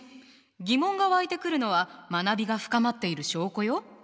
疑問が湧いてくるのは学びが深まっている証拠よ。